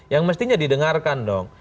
yang mestinya didengarkan dong